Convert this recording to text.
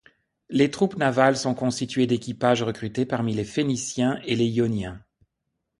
Les troupes navales sont constituées d'équipages recrutés parmi les Phéniciens et les Ioniens.